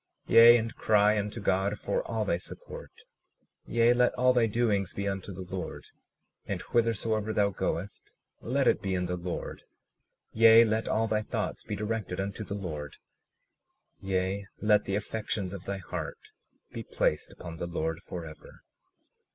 37:36 Yea, and cry unto God for all thy support; yea, let all thy doings be unto the Lord, and whithersoever thou goest let it be in the Lord; yea, let all thy thoughts be directed unto the Lord; yea, let the affections of thy heart be placed upon the Lord forever.